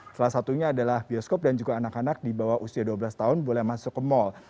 salah satunya adalah bioskop dan juga anak anak di bawah usia dua belas tahun boleh masuk ke mal